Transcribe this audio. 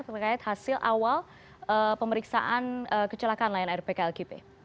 terkait hasil awal pemeriksaan kecelakaan lnr pklkp